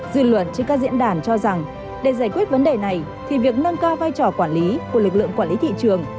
dư luận trên các diễn đàn cho rằng để giải quyết vấn đề này thì việc nâng cao vai trò quản lý của lực lượng quản lý thị trường